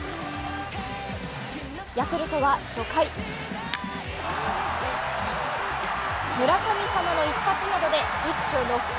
ヤクルトは初回村神様の一発などで一挙６点。